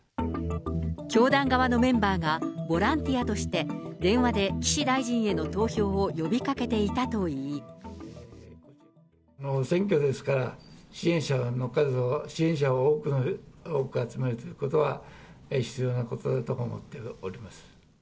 教団側のメンバーがボランティアとして電話で岸大臣への投票選挙ですから、支援者を多く集めるということは必要なことだと思っております。